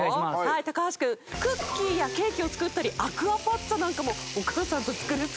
高橋君クッキーやケーキを作ったりアクアパッツァなんかもお母さんと作るそうです。